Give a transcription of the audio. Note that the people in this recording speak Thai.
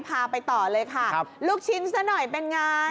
พาไปต่อเลยค่ะลูกชิ้นซะหน่อยเป็นไง